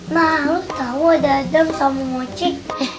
nah lu tau ada adam sama mocik